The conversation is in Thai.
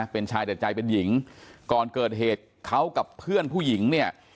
เป็นชายแต่ใจเป็นหญิงก่อนเกิดเหตุเขากับเพื่อนผู้หญิงเนี่ย